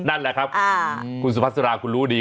นั่นแหละครับคุณสุพัสราคุณรู้ดี